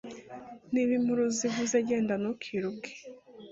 Niba impuruza ivuze genda ntukiruke